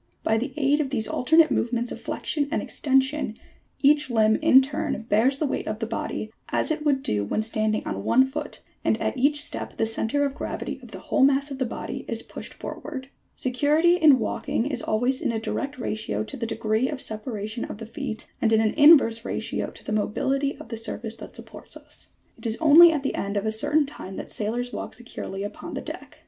By the aid of these alternate movements of flexion and extension each limb in turn bears the weight of the body, as it would do when standing on one foot, and at each step the centre of gravity of the whole mass of the body is pushed for ward. Security in walking is always in a direct ratio to the degree of separation of the feet, and in an inverse ratio to the mobility of the surface that supports us. It is only at the end of a certain time that sailors walk securely upon the deck.